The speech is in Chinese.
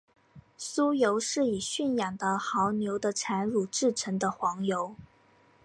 酥油是以驯养的牦牛的产乳制成的黄油。